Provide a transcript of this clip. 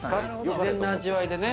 自然な味わいでね。